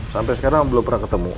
sampai sekarang belum pernah ketemu